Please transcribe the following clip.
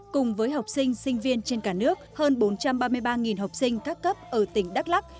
cùng với học sinh sinh viên trên cả nước hơn bốn trăm ba mươi ba học sinh các cấp ở tỉnh đắk lắc